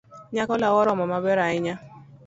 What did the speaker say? Nyako lau oromo maber ahinya.